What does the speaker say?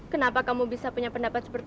kenapa kamu bisa punya pendapat seperti itu